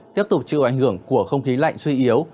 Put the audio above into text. tiếp tục chịu ảnh hưởng của không khí lạnh suy yếu